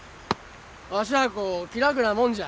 わしゃあこ気楽なもんじゃ。